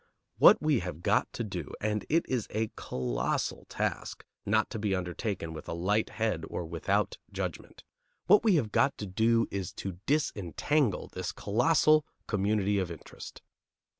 What we have got to do, and it is a colossal task not to be undertaken with a light head or without judgment, what we have got to do is to disentangle this colossal "community of interest."